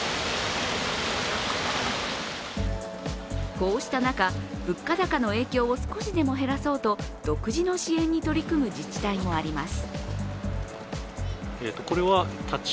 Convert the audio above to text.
こうした中、物価高の影響を少しでも減らそうと独自の支援に取り組む自治体もあります。